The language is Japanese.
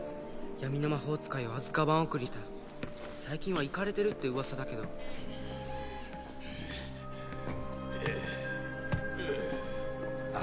闇の魔法使いをアズカバン送りにした最近はイカれてるって噂だけどあ